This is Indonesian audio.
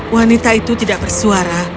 wanita itu tidak bersuara